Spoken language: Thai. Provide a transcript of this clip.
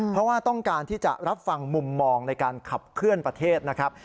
เพราะว่าต้องการที่จะรับฟังมุมมองในการขับเคลื่อนประเทศนะครับ